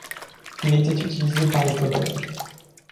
Il était utilisé par les cow-boy.